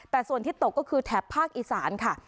แต่ส่วนที่ตกก็คือแถบภาคอีสานค่ะ